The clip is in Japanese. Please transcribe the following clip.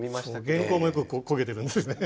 原稿もよく焦げてるんですね。